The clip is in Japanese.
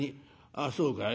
「ああそうかい。